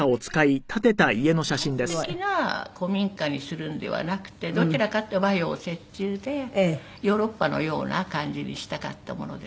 それで日本的な古民家にするんではなくてどちらかと和洋折衷でヨーロッパのような感じにしたかったものですから。